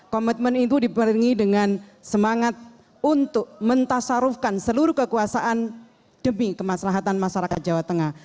komitmen itu diperingi dengan semangat untuk mentasarufkan seluruh kekuasaan demi kemaslahatan masyarakat jawa tengah